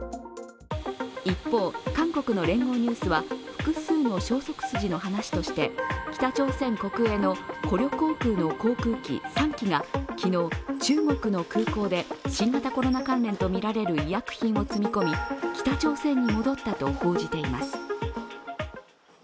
一方、韓国の聯合ニュースは複数の消息筋の話として北朝鮮国営のコリョ航空の航空機３機が昨日、中国の空港で新型コロナ関連とみられる医薬品を積み込み北朝鮮に戻ったと報じています。